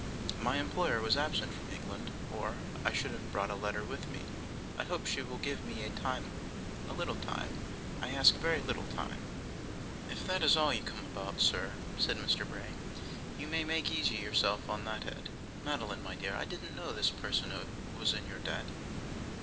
'My employer is absent from England, or I should have brought a letter with me. I hope she will give me time a little time. I ask a very little time.' 'If that is all you come about, sir,' said Mr. Bray, 'you may make yourself easy on that head. Madeline, my dear, I didn't know this person was in your debt?